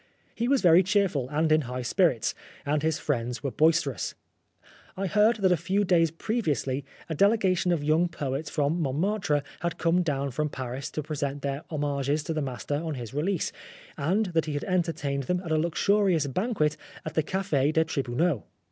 He was very cheerful and in high spirits, and his friends were boisterous. I heard that a few days previously a dele gation of young poets from Montmartre had come down from Paris to present their homages to the master on his release, and that he had entertained them at a luxurious banquet at the Cafe des Tribunaux.